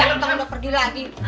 udah pergi lagi